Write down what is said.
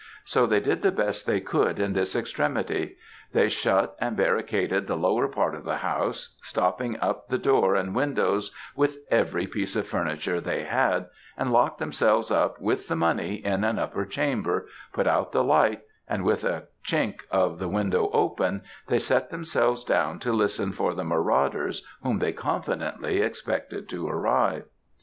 So they did the best they could in this extremity; they shut and barricaded the lower part of the house, stopping up the door and windows with every piece of furniture they had, and locked themselves up, with the money, in an upper chamber, put out the light, and with a chink of the window open, they set themselves down to listen for the marauders whom they confidently expected to arrive.